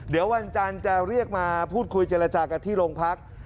เดี๋ยววันจันทร์จะเรียกมาพูดคุยเจรจากันที่โรงพัก